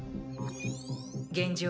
現状